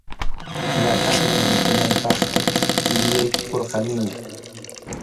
Ñataqmi ripunaypaq yuyaykukurqaniña.